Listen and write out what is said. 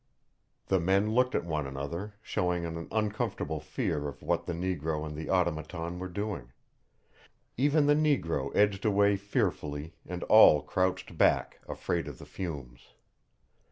The men looked at one another, showing an uncomfortable fear of what the negro and the Automaton were doing. Even the negro edged away fearfully and all crouched back, afraid of the fumes.